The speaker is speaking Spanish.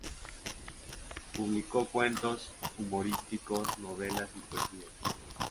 Publicó cuentos humorísticos, novelas y poesías.